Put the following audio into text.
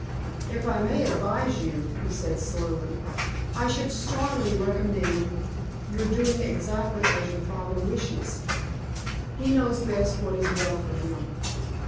"If I may advise you," he said, slowly, "I should strongly recommend your doing exactly as your father wishes. He knows best what is well for him.